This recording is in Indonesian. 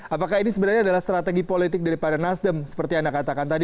apakah ini sebenarnya adalah strategi politik daripada nasdem seperti anda katakan tadi